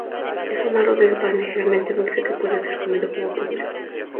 Es un aro de pan ligeramente dulce, que puede ser comido como postre.